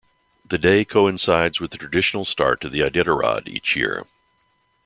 The day coincides with the traditional start of the Iditarod each year.